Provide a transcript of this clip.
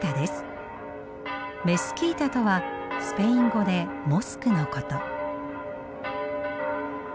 メスキータとはスペイン語でモスクのこと。